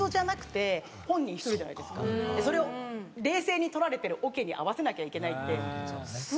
それを冷静にとられてるオケに合わせなきゃいけないって。